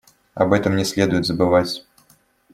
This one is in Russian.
Об этом не следует забывать.